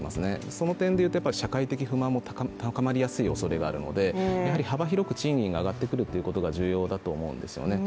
その点では社会的不満も高まるおそれがあるのでやはり幅広く賃金が上がってくるということが重要だと思いますね。